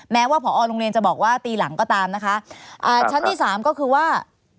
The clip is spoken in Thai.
แม้ว่าผอโรงเรียนจะบอกว่าตีหลังก็ตามนะคะอ่าชั้นที่สามก็คือว่า